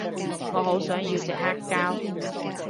我好想要隻黑膠